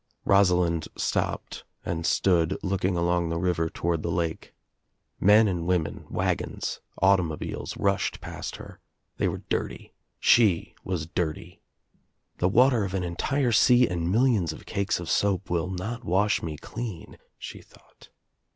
Rosalind stopped and stood looking along the river toward the lake. Men and women, wagons, automobiles rushed past her. They were dirty. She was dirty. "The water of an entire sea and millions of cakes of soap will not wash me clean," she thought.